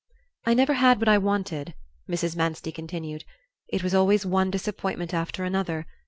"I never had what I wanted," Mrs. Manstey continued. "It was always one disappointment after another.